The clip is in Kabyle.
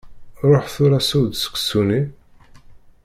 Ruḥ tura seww-d seksu-nni.